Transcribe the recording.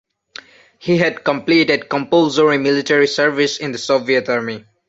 He had completed compulsory military service in the Soviet Army.